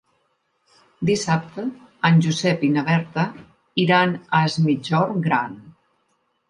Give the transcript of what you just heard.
Dissabte en Josep i na Berta iran a Es Migjorn Gran.